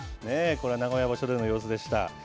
ねえ、これが名古屋場所での様子でした。